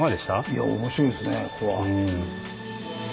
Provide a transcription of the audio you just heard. いやぁ面白いですねコア。